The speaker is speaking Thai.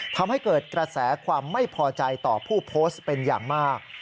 ทำให้เกิดกระแสความไม่พอใจต่อผู้โพสต์เป็นอย่างมาก